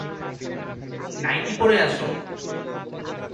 Nightie পরে আসো।